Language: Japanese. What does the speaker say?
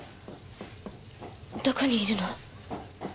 どこにいるの？